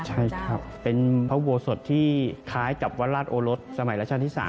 ใช่ครับเป็นพระอุโบสถที่คล้ายกับวัดราชโอรสสมัยรัชกาลที่๓